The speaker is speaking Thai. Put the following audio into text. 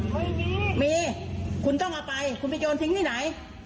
ไม่มีมีคุณต้องเอาไปคุณไปโยนทิ้งที่ไหน